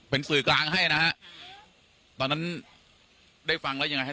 เป็นสื่อกลางให้นะฮะตอนนั้นได้ฟังแล้วยังไงฮะ